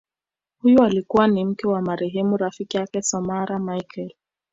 Huyu alikuwa ni mke wa marehemu rafiki yake Samora Machel